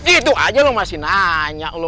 itu aja lo masih nanya